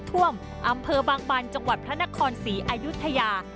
ท่วมอำเภอบางบันจังหวัดพระนครศรีอายุทยา